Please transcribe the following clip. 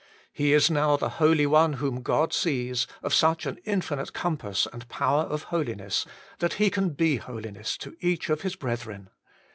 He is now the One Holy One whom God sees, of such an infinite compass and power of holiness, that He can be holiness to each of His brethren.